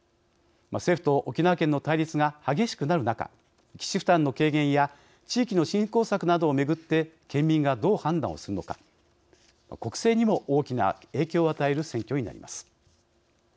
政府と沖縄県の対立が激しくなる中基地負担の軽減や地域の振興策などをめぐって県民がどう判断をするのか国政にも大きな影響を与える選挙になります。